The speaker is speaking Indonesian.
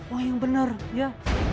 uang yang bener ya